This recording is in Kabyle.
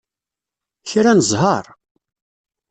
Kra n zzher!